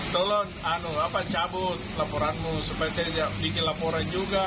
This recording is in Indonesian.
tolong cabut laporanmu supaya tidak bikin laporan juga